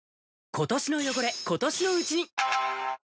今年の汚れ、今年のうちに。